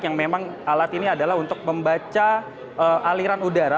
yang memang alat ini adalah untuk membaca aliran udara